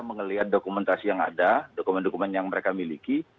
melihat dokumentasi yang ada dokumen dokumen yang mereka miliki